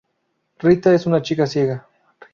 Rita es una chica ciega.